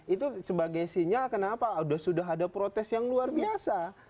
itu sebagai sinyal kenapa sudah ada protes yang luar biasa